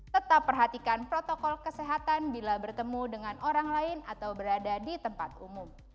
tetap perhatikan protokol kesehatan bila bertemu dengan orang lain atau berada di tempat umum